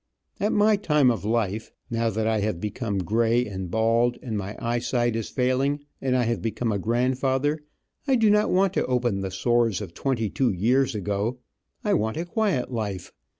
At my time of life, now that I have become gray, and bald, and my eyesight is failing, and I have become a grandfather, I do not want to open the sores of twenty two years ago. I want a quiet life.